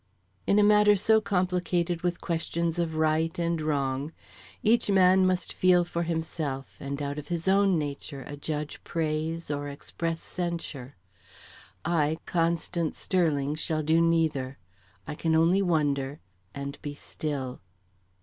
In a matter so complicated with questions of right and wrong, each man must feel for himself, and out of his own nature adjudge praise, or express censure; I, Constance Sterling, shall do neither; I can only wonder and be still.